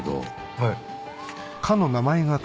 はい。